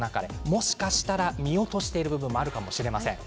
もしかしたら見落とししている部分もあるかもしれません。